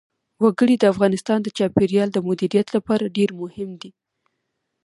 وګړي د افغانستان د چاپیریال د مدیریت لپاره ډېر مهم دي.